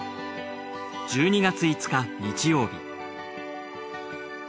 １２月５日日曜日